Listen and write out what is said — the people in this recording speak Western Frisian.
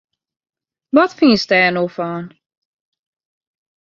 Wat fynst dêr no fan!